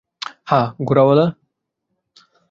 হ্যাঁ, ঘোড়াওয়ালা।